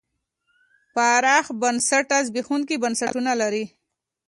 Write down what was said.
پراخ بنسټه زبېښونکي بنسټونه لري.